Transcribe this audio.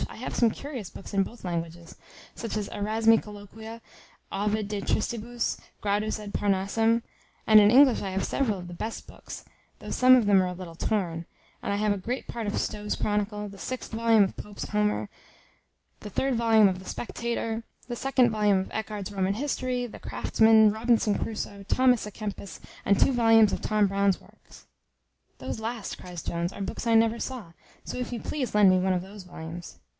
I have some curious books in both languages; such as Erasmi Colloquia, Ovid de Tristibus, Gradus ad Parnassum; and in English I have several of the best books, though some of them are a little torn; but I have a great part of Stowe's Chronicle; the sixth volume of Pope's Homer; the third volume of the Spectator; the second volume of Echard's Roman History; the Craftsman; Robinson Crusoe; Thomas a Kempis; and two volumes of Tom Brown's Works." "Those last," cries Jones, "are books I never saw, so if you please lend me one of those volumes."